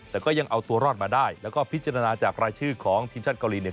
แต่ก็ยังเอาตัวรอดมาได้แล้วก็พิจารณาจากรายชื่อของทีมชาติเกาหลีเนี่ย